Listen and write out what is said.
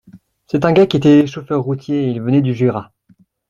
C’est un gars qui était chauffeur routier. Il venait du Jura.